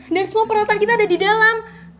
dan semua perawatan kita ada di dalam